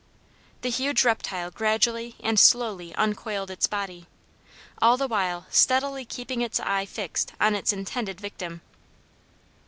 The huge reptile gradually and slowly uncoiled its body; all the while steadily keeping its eye fixed on its intended victim.